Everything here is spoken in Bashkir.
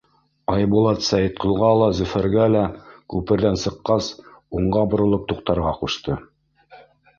Айбулат Сәйетҡолға ла, Зөфәргә лә күперҙән сыҡҡас, уңға боролоп туҡтарға ҡушты.